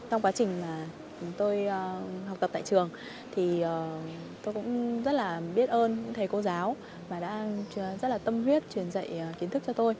trong quá trình mà chúng tôi học tập tại trường thì tôi cũng rất là biết ơn những thầy cô giáo và đã rất là tâm huyết truyền dạy kiến thức cho tôi